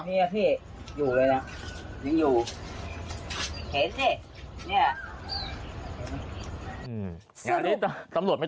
นี่ค่ะพี่อยู่เลยนะยังอยู่เห็นสิเนี่ย